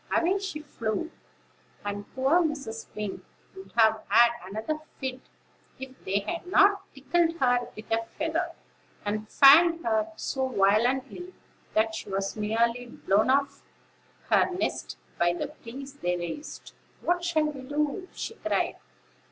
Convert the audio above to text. Away she flew; and poor Mrs. Wing would have had another fit, if they hadn't tickled her with a feather, and fanned her so violently that she was nearly blown off her nest by the breeze they raised. "What shall we do?" she cried.